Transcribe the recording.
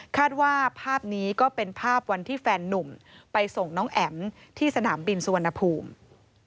ภาพนี้ก็เป็นภาพวันที่แฟนนุ่มไปส่งน้องแอ๋มที่สนามบินสุวรรณภูมิ